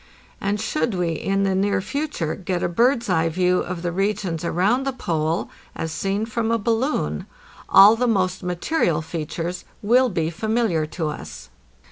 And should we in the near future get a bird's eye view of the regions around the Pole as seen from a balloon, all the most material features will be familiar to us.